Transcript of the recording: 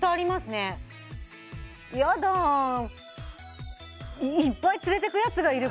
ねやだいっぱい連れていくやつがいる